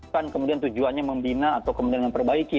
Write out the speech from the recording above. kan kemudian tujuannya membina atau kemudian memperbaiki